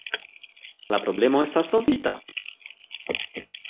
La problemo estas solvita!